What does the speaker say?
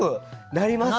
なります。